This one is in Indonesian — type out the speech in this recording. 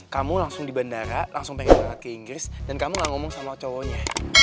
kamu langsung di bandara langsung pengen banget ke inggris dan kamu gak ngomong sama cowoknya